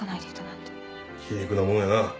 皮肉なもんやな。